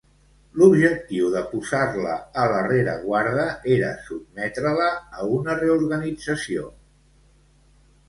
L'objectiu de posar-la a la rereguarda era sotmetre-la a una reorganització.